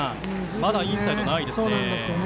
まだインサイドないですね。